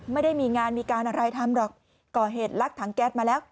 ไม่ได้มีงานมีการอะไรทำหรอกก่อเหตุลักถังแก๊สมาแล้ว